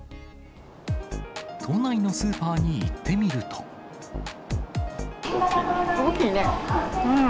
都内のスーパーに行ってみる大きいね。